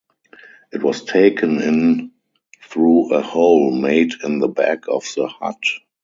It was taken in through a hole made in the back of the hut.